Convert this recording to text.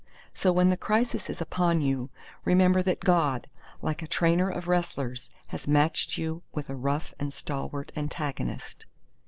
So when the crisis is upon you, remember that God, like a trainer of wrestlers, has matched you with a rough and stalwart antagonist.